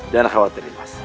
jangan khawatir mas